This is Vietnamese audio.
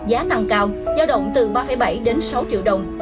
giá tăng cao giao động từ ba bảy đến sáu triệu đồng